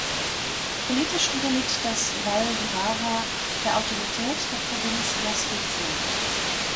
Politisch unterliegt das Val di Vara der Autorität der Provinz La Spezia.